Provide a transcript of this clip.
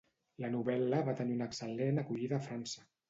La novel·la va tenir una excel·lent acollida a França.